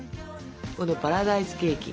このパラダイスケーキ。